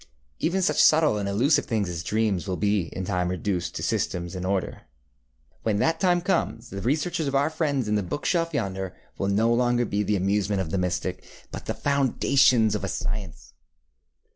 Even such subtle and elusive things as dreams will in time be reduced to system and order. When that time comes the researches of our friends in the book shelf yonder will no longer be the amusement of the mystic, but the foundations of a science.